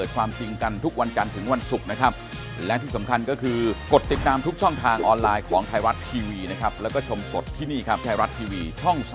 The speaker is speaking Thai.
คุณพิธาเนี่ย